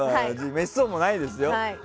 めっそうもないですよ。